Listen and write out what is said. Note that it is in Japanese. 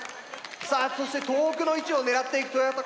さあそして遠くの位置を狙っていく豊田高専。